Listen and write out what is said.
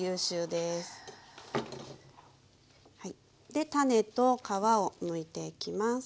で種と皮をむいていきます。